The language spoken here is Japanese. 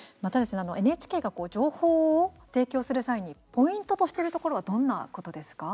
ＮＨＫが情報を提供する際にポイントとしているところはどんなことですか。